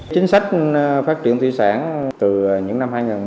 chính sách phát triển thủy sản từ những năm hai nghìn một mươi